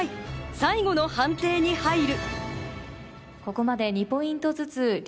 最後の判定に入る。